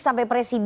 saya ingin menjawab